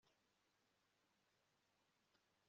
akantu mu modoka ubone ugende